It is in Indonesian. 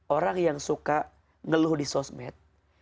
orang yang suka ngeluh di sosmed